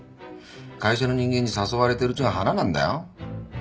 会社の人間に誘われてるうちが花なんだよ。